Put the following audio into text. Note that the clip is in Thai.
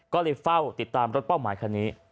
ก็เลยเฝ้าติดตามรถเป้าหมายคันนี้